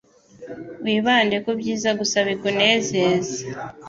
Wibande ku byiza gusa bikunezeza